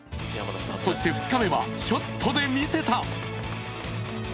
そして２日目はショットで見せた。